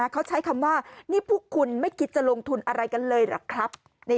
เขาใช้คำว่านี่พวกคุณไม่คิดจะลงทุนอะไรกันเลยหรือครับ